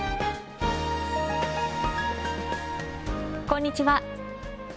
こんにちは。